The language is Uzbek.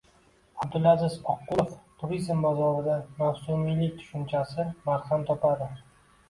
Abdulaziz Oqqulov: “Turizm bozorida mavsumiylik tushunchasi barham topadi”